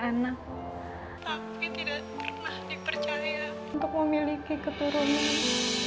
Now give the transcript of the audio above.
tapi tidak pernah dipercaya untuk memiliki keturunan